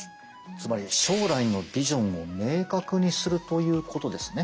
つまり将来のビジョンを明確にするということですね。